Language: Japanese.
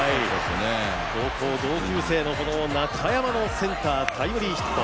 高校同級生の中山のセンタータイムリーヒット